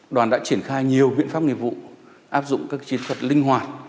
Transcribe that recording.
đoàn đã triển khai nhiều biện pháp nghiệp vụ áp dụng các chiến thuật linh hoạt